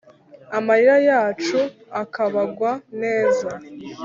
Amarira yacu akabagwa neza !